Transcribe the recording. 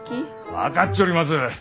分かっちょります！